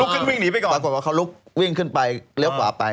วิ่งหนีไปก่อนปรากฏว่าเขาลุกวิ่งขึ้นไปเลี้ยวขวาไป